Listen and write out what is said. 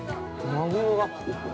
マグロが。